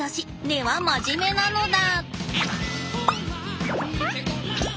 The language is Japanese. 根は真面目なのだ。